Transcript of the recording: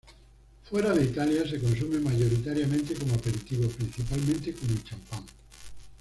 Fuera de Italia, se consume mayoritariamente como aperitivo, principalmente como el champán.